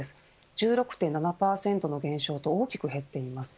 １６．７％の減少と大きく減っています。